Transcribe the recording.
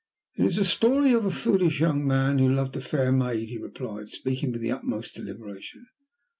"It is a story of a foolish young man who loved a fair maid," he replied, speaking with the utmost deliberation.